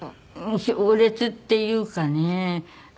強烈っていうかね